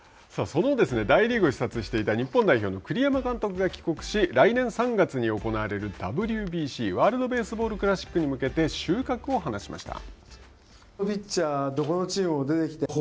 その大リーグを視察していた日本代表の栗山監督が帰国し来年３月に行われるＷＢＣ＝ワールド・ベースボール・クラシックに向けて収穫を話しました。